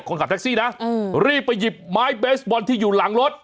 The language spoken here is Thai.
คนขับแท็กซี่นะรีบไปหยิบไม้เบสบอลที่อยู่หลังรถ